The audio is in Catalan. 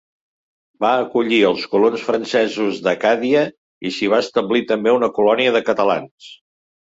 Va acollir els colons francesos d'Acàdia i s'hi va establir també una colònia de catalans.